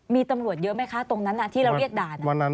มีตำรวจเยอะไหมคะตรงนั้นที่เราเรียกด่าน